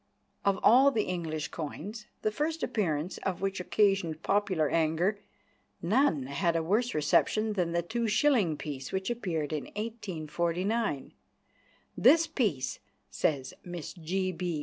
Of all the English coins, the first appearance of which occasioned popular anger, none had a worse reception than the two shilling piece which appeared in 1849. "This piece," says Miss G.B.